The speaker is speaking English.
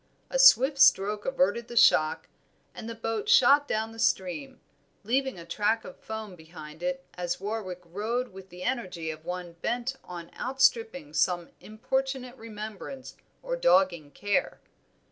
A swift stroke averted the shock, and the boat shot down the stream, leaving a track of foam behind it as Warwick rowed with the energy of one bent on outstripping some importunate remembrance or dogging care.